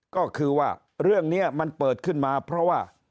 ก็คือว่าเรื่องนี้มันเปิดขึ้นมาเพราะว่า